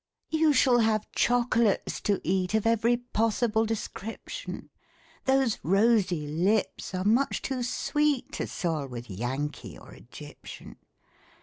You shall have chocolates to eat Of every possible description ; Those rosy lips are much too sweet To soil with Yankee or Egyptian.